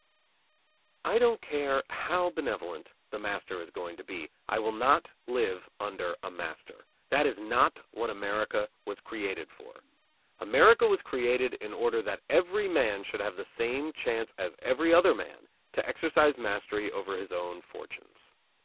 I don't care how benevolent the master is going to be, I will not live under a master. That is not what America was created for. America was created in order that every man should have the same chance as every other man to exercise mastery over his own fortunes.